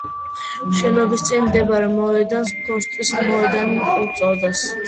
შენობის წინ მდებარე მოედანს „ფოსტის მოედანი“ უწოდეს.